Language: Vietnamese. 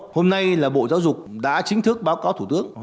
hôm nay là bộ giáo dục đã chính thức báo cáo thủ tướng